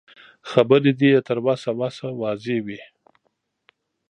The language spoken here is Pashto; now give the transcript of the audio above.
خبرې دې يې تر وسه وسه واضح وي.